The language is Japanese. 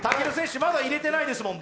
まだ入ってないですね。